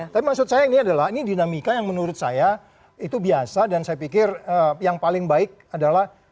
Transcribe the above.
tapi maksud saya ini adalah ini dinamika yang menurut saya itu biasa dan saya pikir yang paling baik adalah